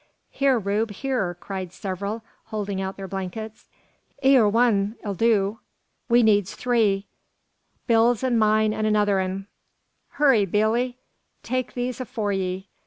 "Here, Rube, here!" cried several, holding out their blankets. "E'er a one 'll do. We needs three: Bill's an' mine an' another'n. Hyur, Billee! take these afore ye.